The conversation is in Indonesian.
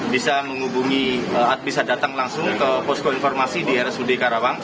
bisa menghubungi bisa datang langsung ke posko informasi di rsud karawang